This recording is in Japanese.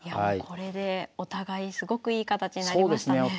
これでお互いすごくいい形になりましたね。